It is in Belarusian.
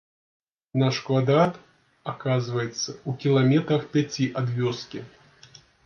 Наш квадрат аказваецца ў кіламетрах пяці ад вёскі.